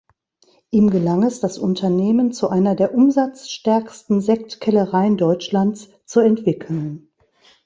Ihm gelang es, das Unternehmen zu einer der umsatzstärksten Sektkellereien Deutschlands zu entwickeln.